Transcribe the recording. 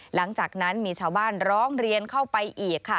หลังจากนั้นมีชาวบ้านร้องเรียนเข้าไปอีกค่ะ